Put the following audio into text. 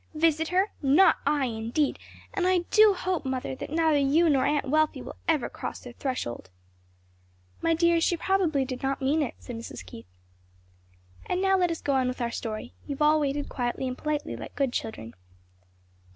Visit her? Not I, indeed, and I do hope, mother, that neither you nor Aunt Wealthy will ever cross their threshold." "My dear, she probably did not mean it," said Mrs. Keith. "And now let us go on with our story. You have all waited quietly and politely like good children."